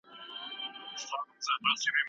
د مزله ستړیا مو زده وه